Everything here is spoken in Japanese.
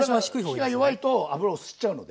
火が弱いと油を吸っちゃうので。